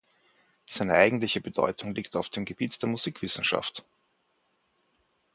Seine eigentliche Bedeutung liegt auf dem Gebiet der Musikwissenschaft.